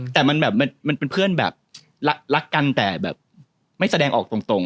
แต่มันแบบมันเป็นเพื่อนแบบรักกันแต่แบบไม่แสดงออกตรง